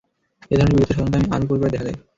এ ধরনের বীরত্ব সাধারণত আর্মি পরিবারে দেখা যায়।